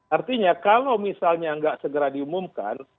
artinya kalau misalnya nggak segera diumumkan